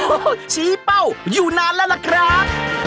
โอ้โหชี้เป้าอยู่นานแล้วล่ะครับ